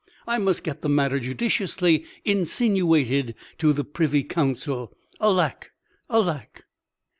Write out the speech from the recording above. I must get the matter judiciously insinuated to the Privy Council. Alack! alack!"